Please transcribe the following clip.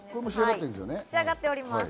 仕上がっております。